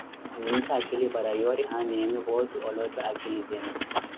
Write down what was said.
N`winkhe akhili para yoori aana enu poote olotta akhili zenu.